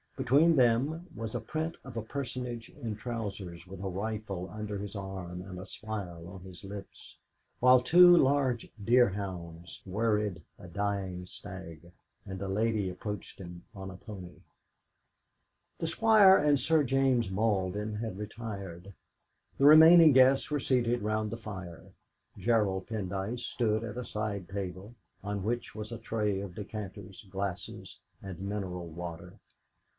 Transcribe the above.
Between them was the print of a personage in trousers, with a rifle under his arm and a smile on his lips, while two large deerhounds worried a dying stag, and a lady approached him on a pony. The Squire and Sir James Malden had retired; the remaining guests were seated round the fire. Gerald Pendyce stood at a side table, on which was a tray of decanters, glasses, and mineral water.